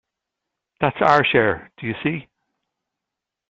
That's our share, do you see?